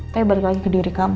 tapi balik lagi ke diri kamu